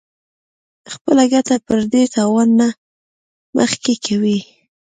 خپله ګټه د پردي تاوان نه مخکې کوي -